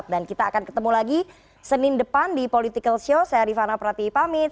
dan kita akan ketemu lagi senin depan di politikalshow saya rifana prati pamit